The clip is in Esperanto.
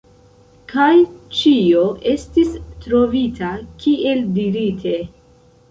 Kaj ĉio estis trovita, kiel dirite.